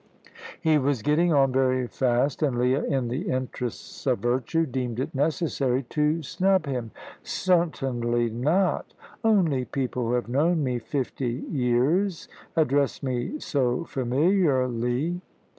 He was getting on very fast, and Leah, in the interests of virtue, deemed it necessary to snub him. "Certainly not. Only people who have known me fifty years address me so familiarly."